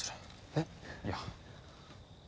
えっ？いや。